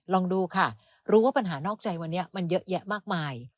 ลองดูค่ะรู้ว่าปัญหานอกใจวันนี้มันเยอะแยะมากมาย